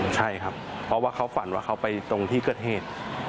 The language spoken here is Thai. ใช่ครับเพราะว่าเขาฝันว่าเขาไปตรงที่เกิดเหตุ